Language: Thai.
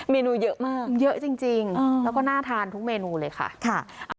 เนื้อเยอะมากเยอะจริงแล้วก็น่าทานทุกเมนูเลยค่ะ